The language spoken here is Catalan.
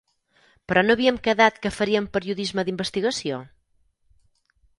Però no havíem quedat que faríem periodisme d'investigació?